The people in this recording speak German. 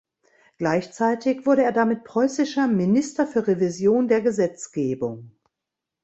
Gleichzeitig wurde er damit preußischer „Minister für Revision der Gesetzgebung“.